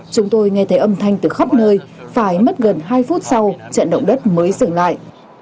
chúng tôi nghe thấy âm thanh từ khắp nơi phải mất gần hai phút sau trận động đất mới dừng lại